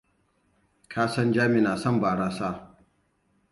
Ka san Jami na son barasa.